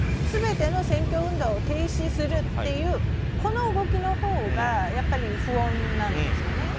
全ての選挙運動を停止するっていう動きのほうがやっぱり不穏なんですよね。